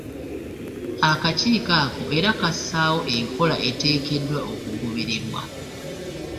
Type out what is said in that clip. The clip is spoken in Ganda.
Akakiiko ako era kassaawo enkola eteekeddwa okugobererwa.